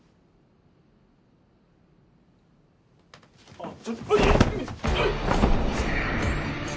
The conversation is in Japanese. あっちょっとうっ！